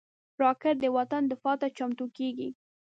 راکټ د وطن دفاع ته چمتو کېږي